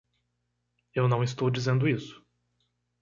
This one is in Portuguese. Eu não estou dizendo isso.